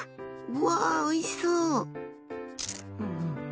わー、おいしそう！